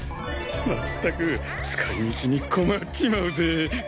まったく使い道に困っちまうぜぇ。